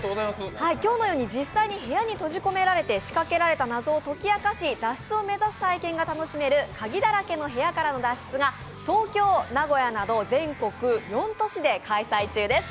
今日のように実際に部屋に閉じ込められた仕掛けられた謎を解き明かし、脱出を目指す体験が楽しめる「鍵だらけの部屋からの脱出」が東京・名古屋など全国４都市で開催中です。